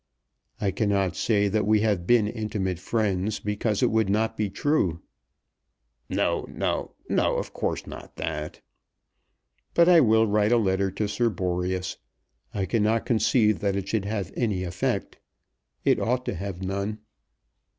"I cannot say that we have been intimate friends, because it would not be true." "No; no; no! Of course not that." "But I will write a letter to Sir Boreas. I cannot conceive that it should have any effect. It ought to have none."